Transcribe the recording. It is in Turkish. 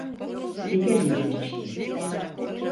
Yeterince içtin.